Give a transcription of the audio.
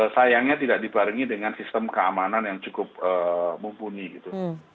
sayangnya tidak dibarengi dengan sistem keamanan yang cukup mumpuni gitu